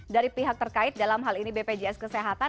dari pihak terkait dalam hal ini bpjs kesehatan